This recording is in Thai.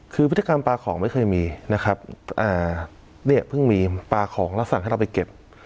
คือพฤติกรรมปลาของไม่เคยมีนะครับเนี่ยเพิ่งมีปลาของแล้วสั่งให้เราไปเก็บ